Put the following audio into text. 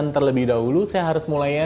dengan terlebih dahulu saya harus mulainya